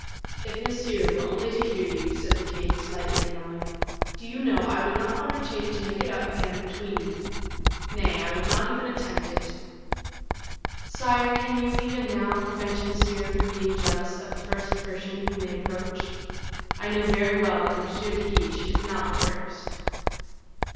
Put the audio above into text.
"If Monsieur were only to hear you," said the king, slightly annoyed, "do you know I would not undertake to make it up again between you; nay, I would not even attempt it." "Sire, can you, even now, prevent Monsieur from being jealous of the first person who may approach? I know very well that M. de Guiche is not the first."